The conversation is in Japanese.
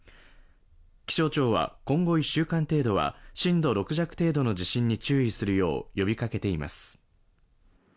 気象庁は、今後１週間程度は震度６弱程度の地震に注意するよう呼びかけています。